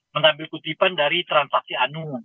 mengambil kutipan dari transaksi anu